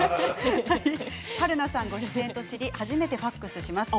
春菜さんご出演と知り初めてファックスします。